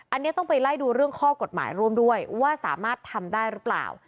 อันนี้ต้องไปไล่ดูเรื่องข้อกฎหมายร่วมด้วยว่าสามารถทำได้หรือเปล่า